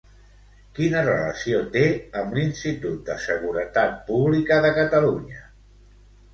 Quina relació té amb l'Institut de Seguretat Pública de Catalunya?